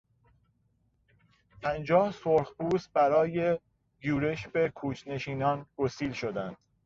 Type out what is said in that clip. پنجاه سرخپوست برای یورش به کوچ نشینان گسیل شدند.